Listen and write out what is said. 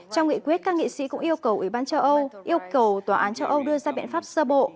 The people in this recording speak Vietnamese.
trong nghị quyết các nghị sĩ cũng yêu cầu ủy ban châu âu yêu cầu tòa án châu âu đưa ra biện pháp sơ bộ